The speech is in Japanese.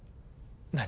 何？